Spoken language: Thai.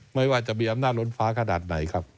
ไม่ว่าจะมีอำนาจล้นฟ้าขนาดไหนครับ